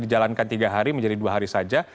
dijalankan tiga hari menjadi dua hari saja